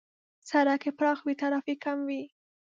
سړک که پراخ وي، ترافیک کم وي.